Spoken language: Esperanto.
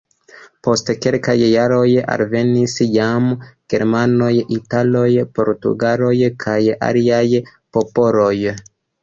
Post kelkaj jaroj alvenis jam germanoj, italoj, portugaloj kaj aliaj popoloj.